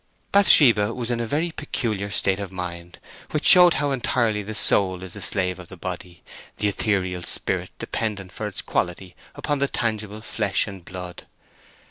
Bathsheba was in a very peculiar state of mind, which showed how entirely the soul is the slave of the body, the ethereal spirit dependent for its quality upon the tangible flesh and blood.